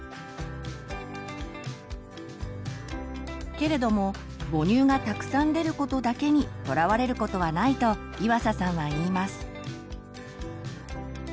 けれども母乳がたくさん出ることだけにとらわれることはないと岩佐さんは言います。